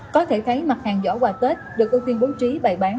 có thể thấy mặt hàng giỏ quà tết được ưu tiên bố trí bày bán